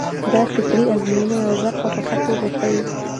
دا فکري ازموینه یوه خبره په ښه توګه ښيي.